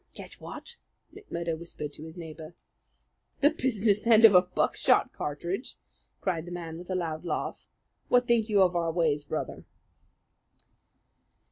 "Get what?" McMurdo whispered to his neighbour. "The business end of a buckshot cartridge!" cried the man with a loud laugh. "What think you of our ways, Brother?"